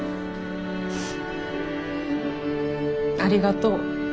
ありがとう。